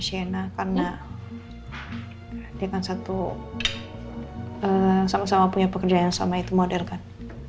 shaina karena dengan satu sama sama punya pekerjaan sama itu model kan